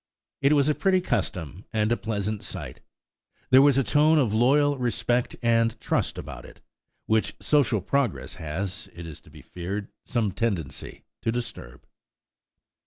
It was a pretty custom and a pleasant sight; there was a tone of loyal respect and trust about it, which social progress has, it is to be feared, some tendency to disturb.